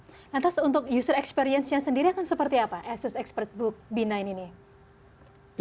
apa penjelasan untuk user experience nya sendiri yang seperti apa asus xperia b sembilan ini